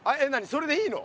それでいいの？